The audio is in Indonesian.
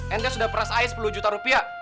ente sudah peras air sepuluh juta rupiah